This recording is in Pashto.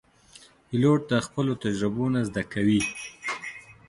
پیلوټ د خپلو تجربو نه زده کوي.